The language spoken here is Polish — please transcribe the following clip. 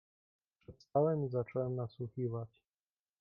"Przestałem i zacząłem nadsłuchiwać."